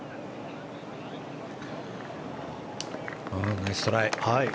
ナイストライ。